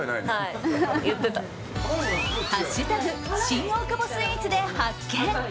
新大久保スイーツ」で発見！